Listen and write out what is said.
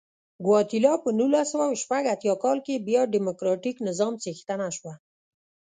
ګواتیلا په نولس سوه شپږ اتیا کال کې بیا ډیموکراتیک نظام څښتنه شوه.